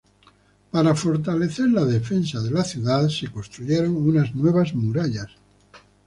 Para fortalecer las defensas de la ciudad, se construyeron unas nuevas murallas.